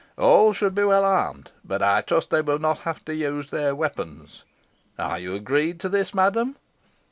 All should be well armed, but I trust they will not have to use their weapons. Are you agreed to this, madam?"